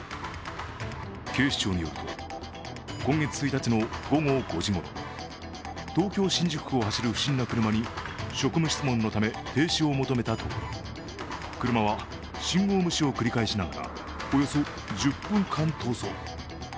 警視庁によると、今月１日の午後５時ごろ東京・新宿区を走る不審な車に職務質問のため停止を求めたところ車は信号無視を繰り返しながらおよそ１０分間逃走。